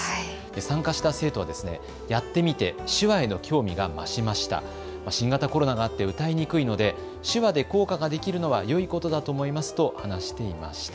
参加した生徒はやってみて手話への興味が増しました、新型コロナがあって歌いにくいので手話で校歌ができるのはよいことだと思いますと話していました。